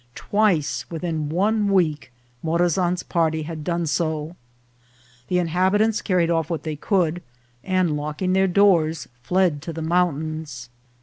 Twice within one week Morazan's party had done so ; the inhabitants carried off what they could, and, locking their doors, fled to the mountains.